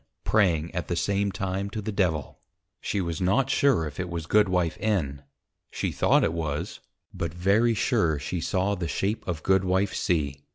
_ Praying at the same time to the Devil; she was not sure it was Goodwife N. she thought it was; but very sure she saw the shape of Goodwife _C.